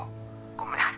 ごめん。